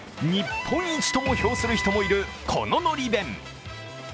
日本一とも評する人もいるという、この海苔弁。